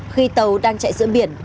khi tàu đang chạy giữa biển